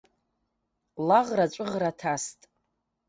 Лаӷра ҵәыӷра ҭаст.